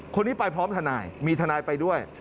คนนี้ไปพร้อมทนายมีทนายไปด้วย